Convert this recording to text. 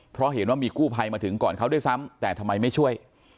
เพราะเห็นว่ามีกู้ภัยมาถึงก่อนเขาด้วยซ้ำแต่ทำไมไม่ช่วย